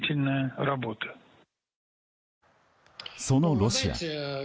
そのロシア。